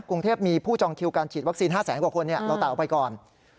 กรุงเทพมีผู้จองคิวการฉีดวัคซีน๕แสนกว่าคนเราตายออกไปก่อน